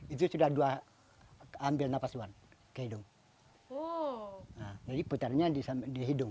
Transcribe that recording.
itu sudah dua ambil nafas one ke hidung oh jadi putarnya di sambil di hidung